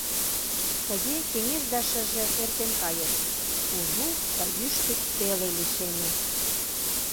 Тыге кеҥеж да шыже эртен кайышт — кужу да йӱштӧ теле лишеме.